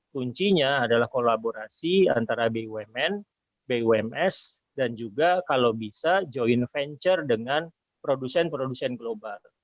kuncinya adalah kolaborasi antara bumn bums dan juga kalau bisa joint venture dengan produsen produsen global